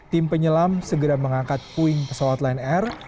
tim penyelam segera mengangkat puing pesawat lain r